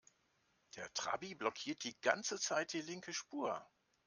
Der Trabi blockiert die ganze Zeit die linke Spur.